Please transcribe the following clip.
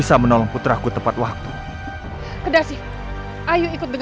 aman alhamdulillah amin